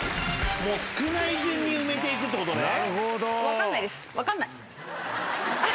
少ない順に埋めていくってことね。